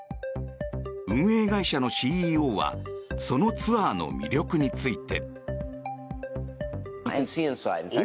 運営会社のＣＥＯはそのツアーの魅力について。